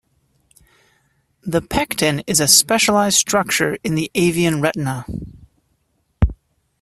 The pecten is a specialised structure in the avian retina.